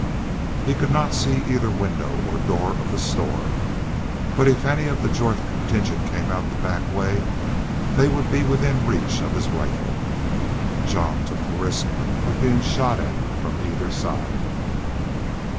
He could not see either window or door of the store, but if any of the Jorth contingent came out the back way they would be within reach of his rifle. Jean took the risk of being shot at from either side.